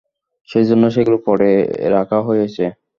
সেজন্য সেগুলো পডে রাখা হয়েছে।